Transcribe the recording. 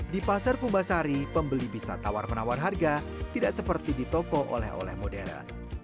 di pasar kubasari pembeli bisa tawar menawar harga tidak seperti di toko oleh oleh modern